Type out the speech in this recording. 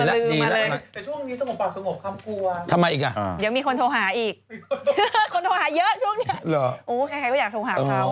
แต่ช่วงนี้สงบป่าวสงบข้ามกลัว